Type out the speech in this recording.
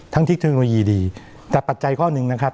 ทั้งที่เทคโนโลยีดีแต่ปัจจัยข้อนึงนะครับครับ